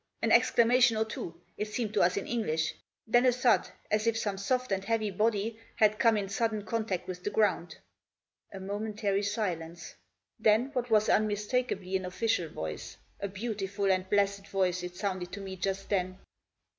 An exclama tion or two, it seemed to us in English ; then a thud, as if Digitized by ONE WAY IK. 97 some soft and heavy body had come in sudden contact with the ground. A momentary silence. Then what was unmistakably an official voice, a beautiful and a blessed voice it sounded to me just then.